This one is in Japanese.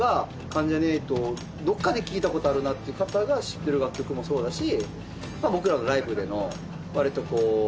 関ジャニ∞をどこかで聴いた事あるなっていう方が知ってる楽曲もそうだし。